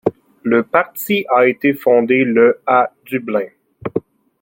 Le parti a été fondé le à Dublin.